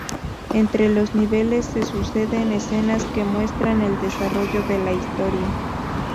Entre los niveles se suceden escenas que muestran el desarrollo de la historia.